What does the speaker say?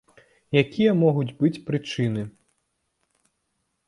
Якія могуць быць прычыны?